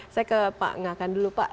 saya ke pak ngakan dulu pak